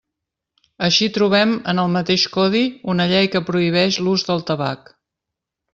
Així trobem en el mateix codi una llei que prohibeix l'ús del tabac.